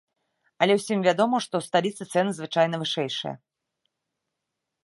Але ўсім вядома, што ў сталіцы цэны звычайна вышэйшыя.